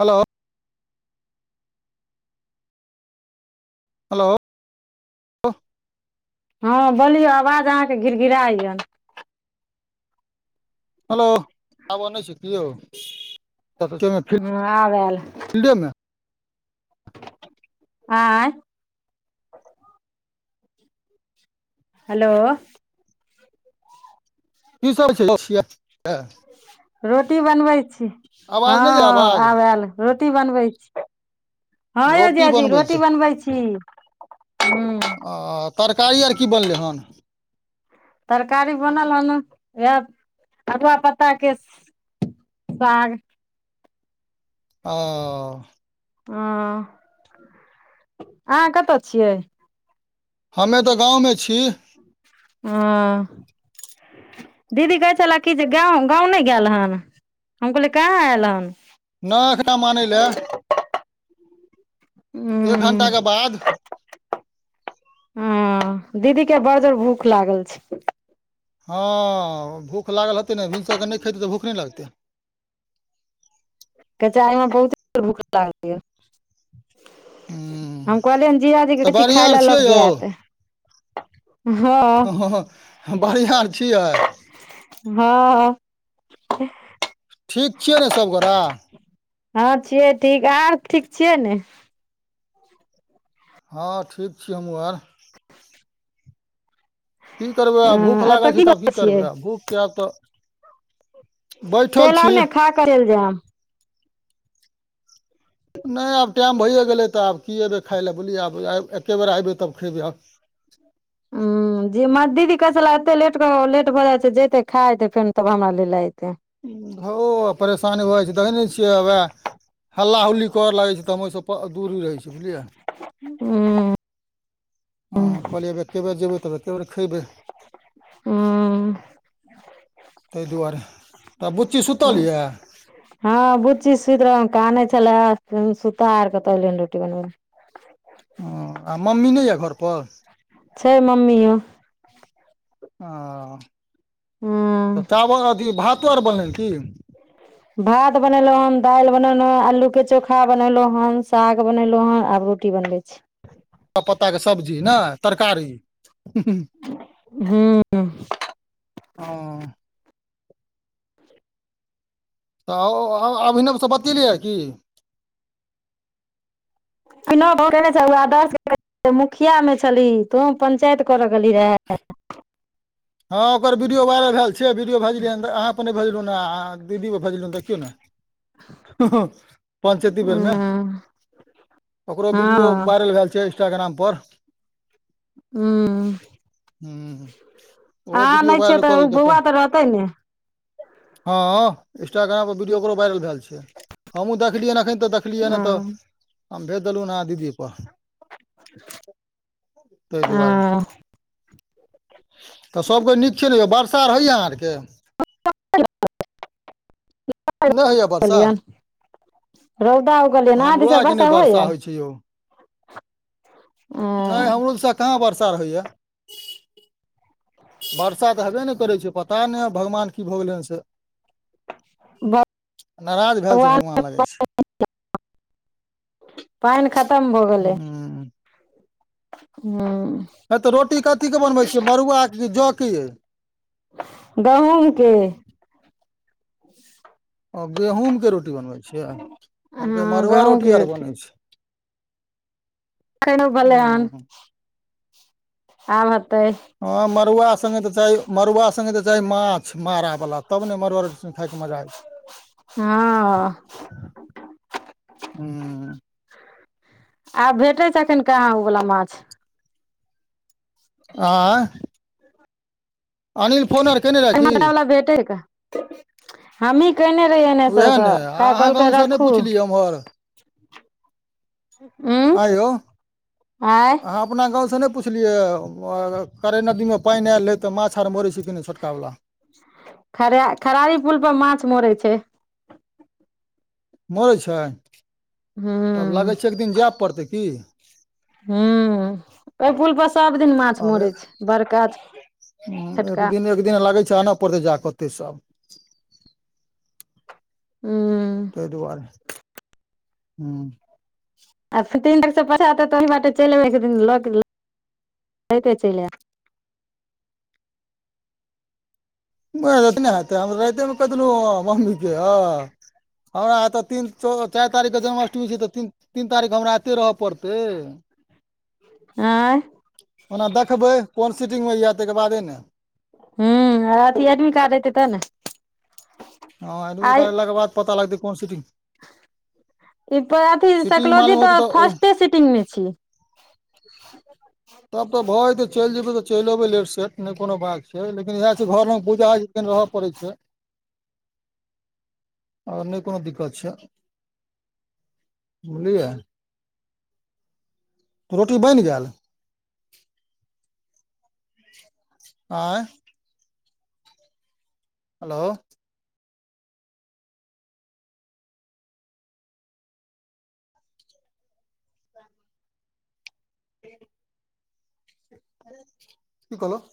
हलो hello हँ बोलियो आवाज अहाँके घिरघिराय यन। हेलो, आब अनै छी की यौ, एक्के में फील हँ आब आयल फील्डे मे। आँय हेलो के [unintelligible] [unintelligible] रोटी बनबैत छी, हँ- आवाज नहि जाय हँ आवाज आब ऐल रोटी बनबै छी। हँ यौ रोटी जीजा जी रोटी छै बनबै छी हुं। आ तरकारी आर की बनलै हन? तरकारी बनल हन इएह, अरुवा पत्ताके साग। अँ हॅं, अहाँ कतऽ छियैय। हमें तऽ गाॅंव मे छी। आं दीदी कहै छलै कि जे गैव गाँंव नहि गैल हन। हम कहलियै कहाँ ऐल हन। ना एखने हम आनै लए, एक घण्टाके हूँ बाद हूं दीदी के बड़ जोर भूख लागल छै। हँ भूख लागल हतै नहि, भिनसरके नहि खइतै तऽ भूख नहि लगतै। कचा अईमें बहुते देर भूख लागल रहैय। हूँ हम कहलियै हन जीजाजीे के तऽ कहै छी बढ़िआँ खाय आर लै छियै लऽ यौ जैत। [inaudible] हँ- हँ बढ़ियां आर छियै। हँ-हँ। ठीक छियै ने सबगोरा। हँ छियै ठीक अहां और ठीक छियै ने। हँ ठीक छी हमहु आर। की करबै अ आब, भूख एतऽ लागल छै तऽ आब की करै छियै करबै आब भूखके आब तऽ बैठल चलि आउ छी ने खा क चैल जैम। नहि आब टाइम भइए गेलै, त आब की अबै खाय लए बुझलियै आब एके बेर अइबै तब खयबै आब। हुँ जे मा दीदी कहै छलै, एते लेट कऽ लेट भऽ जाइ छै, ज इते खा एतै फेन तब हमरा लै लऽ एतै। धौं परेशानी भ जाइ छै देखै नहि छियै हउवैं। हल्ला हुल्ली करऽ लागै छै तऽ हम ओहिसँ दूरी रहै छी बुझलियै। हूं हँ कहलियै अब एके बेर जेबै तब एके बेर खइबै। हूं तहि दुआरे, तऽ बुच्ची सुतल यैंऽ। हँ बुच्ची सुति रहल काने छलाय, सुता के तहन एलिये हे रोटी बनब। ह आ मम्मी नहि यऽ घर पर। छै मम्मीयो। आ हूँ तऽ चावल अथि भातो अर बनलै की। भात बनेलो हन, दालि बनेलो हन, आलू के चोखा बनेलो हन, साग बनेलो हन आब रो टी बनबै छी। पत्ताके सब्जी ने तरकारी। हँ। तऽ अह आब अभिनाव से बतेलियँ की। अभिनव केने छैन ओहा दद् तु मुखिया में छली तो तु पञ्चायत करय गेली रहए हँ ओकर वीडियो वायरल भेल छै, वीडियो भेजलियै अहाँ पर नहि भेजलहुं, नै आहां दीदी भेजलाउं देखियो ने पञ्चायती बेर में उम्म ओकरो वीडियो हँ वायरल भेल छै इंस्टाग्राम पर हू हूँ ओहो आहा वीडियो नहि छिय वायरल कऽ तऽ लेलकै बौआ अपन तऽ रहतै ने। हँ इंस्टाग्राम पर वीडियो ओकरो वायरल भेल छै। हमहूँ देखलियै ह एखन तऽ देखलियै ह तऽ हम भेज देलहुँ अहा दीदी पर। ताहि दुआरे हँ। तऽ सबके नीक छै ने, बर्षा आर होइए अहाँ आरके? नहि होइए वर्षा। रौदा उगलियनि अहाँ हमरो दिस आरके नै वर्षा होइयन होइ छै यौ। नहि हमरो सभ कहाँ बरसा होइए। वर्षा तऽ हबे ने करै छै पता नहि भगवान की भऽ गेलै हन से। ब नारज भेलए छै, भगवान लगै छै। पाइन खतम भऽ गेलै। हूं। हूं। है तऽ रोटी कथीके बनबै छियै? मड़ुआ कि जौ के अइ। गहुमके। आ गहूँमके रोटी बनबै छियै, हम हँ मड़ुआ गहूँम रोटी के आर बनै छै। [unintelligible] बनले हन। हूँ आब अते। हँ मड़ुआ संगङ्गे तऽ चाही मड़ुआ संगङ्गे चाही माछ मारा वला तब ने मड़ुआ रो खायके मजा हँ। हू। आब भेटैत छै एखन कहाँ ओवला माछ। आंय। फोन आर केने रहए की मला बला भेटै कहां हमही केने रहि एनेस उएह तऽ ने क अहाँ कहलक गाँवसँ नहि राखू। पुछलियै ओम्हर आंय यो आँय अब अपना गाँवसँ नहि पुछलियै, करै नदीमे पाइन आर आयल रहै तऽ माछ आर मरै छी क नहि छोटकावला। खराय- खरारी पुल पर माछ मरै छै। मरै छै हूं तब लागै छै एक दिन जाय पड़तै की। हुं ओ पुलपर सभदिन माछ मरै छै बड़काछ ह एकदिन एक दिन लगै चानऽ' पड़तै जाऽ' ओते सब हुं। त दुआरे हू आ तीन तार सए पचात तऽ'ओही बटे चलि अयबै। एक दिन लऽेतै चलि आयब बय ऐखने हेतै हम राइते कहीं देनु मम्मी के हां हमरा तऽ'तीन चारि तारीखके जन्माष्टमी छै तऽ' तीन तीन तारीख हमरा एते रहय पडतइ। आँय। ओना देखबै कोन सीटिङ्गमे य ताहिके बादे ने। ह अथी एडमी कार्ड हतै तब ने हँ एडमि आइ कार्डाके बाद पता लगतै कोन सीटिंग ई अथ सीटिंग साइकलॉजी मालूम होतै तऽ' ओहि फर्स्टे सीटिंग मे छी। [inaudible] तब तऽ भऽ' जेतै चलि जेबै तऽ'चलि अयबै लेट सेेट नहि कोनो बात छै। लेकिन इएह छै घरमे बूजाेक रहय पड़ै छै। आओर नहि कोनो दिक्कत छै बुझलियै। रोटी बनि गेल आँय हेलो। की कहल